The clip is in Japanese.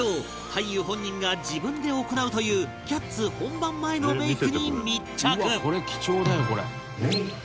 俳優本人が自分で行うという『キャッツ』本番前のメイクに密着